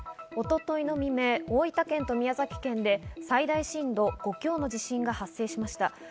一昨日の未明、大分県と宮崎県で最大震度５強の地震が発生しました。